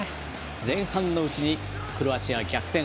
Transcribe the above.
前半のうちにクロアチア逆転。